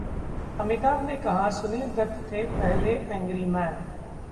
अमिताभ ने कहा, सुनील दत्त थे पहले एंग्रीमैन